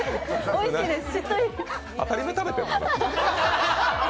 おいしいです。